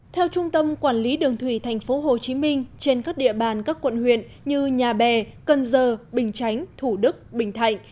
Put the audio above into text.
theo trung tâm quản lý đường thủy tp hcm trên các địa bàn các quận huyện như nhà bè cần giờ bình chánh thủ đức bình thạnh